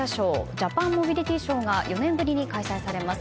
「ジャパンモビリティショー」が４年ぶりに開催されます。